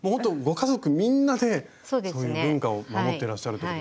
家族みんなでそういう文化を守ってらっしゃるという。